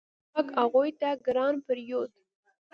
دا خوراک هغوی ته ګران پریوت.